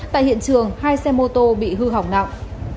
tại hiện trường hai xe mô tô bị hư hỏng nặng